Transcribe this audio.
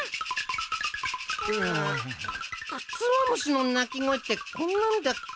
クツワムシの鳴き声ってこんなんだっけ？